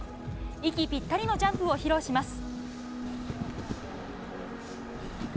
息ぴったりのジャンプを披露します。